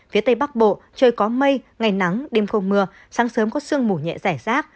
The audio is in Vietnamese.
phía tây bắc bộ trời có mây ngày nắng đêm không mưa sáng sớm có sương mù nhẹ giải rác